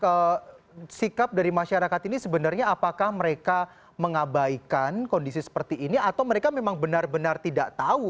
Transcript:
oke sikap dari masyarakat ini sebenarnya apakah mereka mengabaikan kondisi seperti ini atau mereka memang benar benar tidak tahu